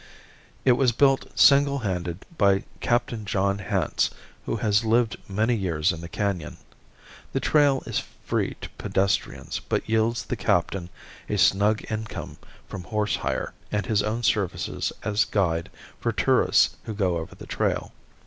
It was built single handed by Captain John Hance, who has lived many years in the canon. The trail is free to pedestrians, but yields the captain a snug income from horse hire and his own services as guide for tourists who go over the trail.